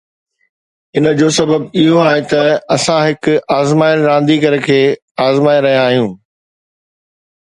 ان جو سبب اهو آهي ته اسان هڪ ثابت ٿيل رانديگر کي آزمائي رهيا آهيون